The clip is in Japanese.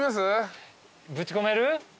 ぶち込める？